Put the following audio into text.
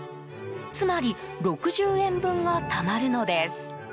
つまり６０円分がたまるのです。